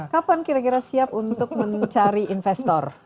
kapan kira kira siap untuk mencari investor